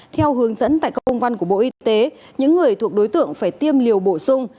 theo hướng dẫn tại công văn của bộ y tế những người thuộc đối tượng phải tiêm liều bổ sung